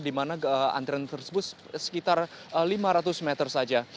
di mana antrian tersebut sekitar lima ratus meter saja